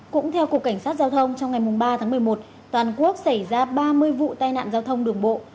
cũng theo cục cảnh sát giao thông trong ngày ba tháng một mươi một toàn quốc xảy ra ba mươi vụ tai nạn giao thông đường bộ